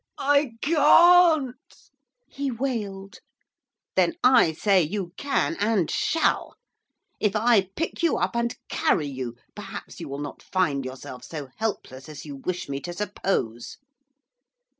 'I can't!' he wailed. 'Then I say you can, and shall! If I pick you up, and carry you, perhaps you will not find yourself so helpless as you wish me to suppose.